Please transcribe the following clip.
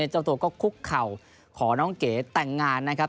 เจ้าตัวก็คุกเข่าขอน้องเก๋แต่งงานนะครับ